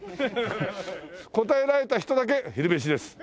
答えられた人だけ昼飯です！